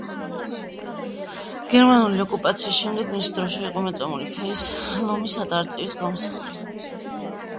გერმანული ოკუპაციის შემდეგ მისი დროშა იყო მეწამული ფერის ლომისა და არწივის გამოსახულებით.